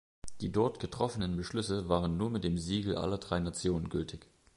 Die dort getroffenen Beschlüsse waren nur mit dem Siegel aller drei Nationen gültig.